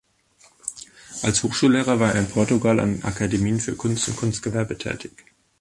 Als Hochschullehrer war er in Portugal an Akademien für Kunst und Kunstgewerbe tätig.